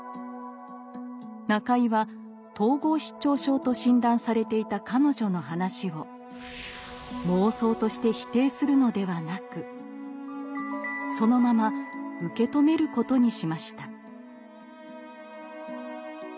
中井は統合失調症と診断されていた彼女の話を「妄想」として否定するのではなくそのまま受け止めることにしました。